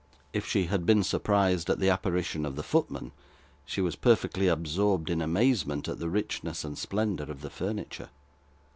If she had been surprised at the apparition of the footman, she was perfectly absorbed in amazement at the richness and splendour of the furniture.